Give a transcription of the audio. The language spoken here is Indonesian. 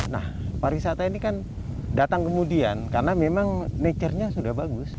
nah pariwisata ini kan datang kemudian karena memang nature nya sudah bagus